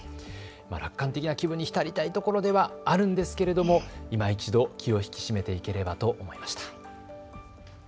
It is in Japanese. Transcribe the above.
楽観的な気分に浸りたいところではあるんですけれどもいま一度気を引き締めていければと思いました。